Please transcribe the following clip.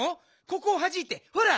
ここをはじいてほら。